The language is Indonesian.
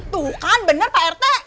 tuh kan benar pak rt